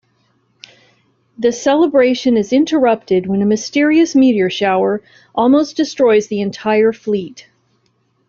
The celebration is interrupted when a mysterious meteor shower almost destroys the entire fleet.